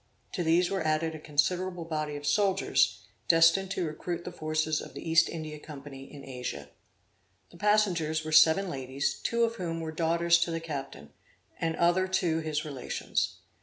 To these were added a considerable body of soldiers, destined to recruit the forces of the East India Company in Asia. The passengers were seven ladies, two of whom were daughters to the captain, and other two his relations.